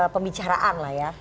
pembicaraan lah ya